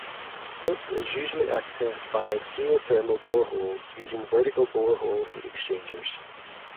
This is usually accessed via geothermal boreholes using vertical borehole heat exchangers.